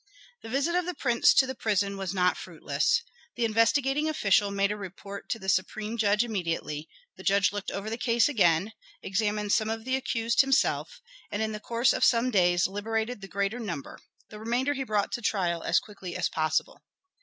The visit of the prince to the prison was not fruitless. The investigating official made a report to the supreme judge immediately, the judge looked over the case again, examined some of the accused himself, and in the course of some days liberated the greater number; the remainder he brought to trial as quickly as possible.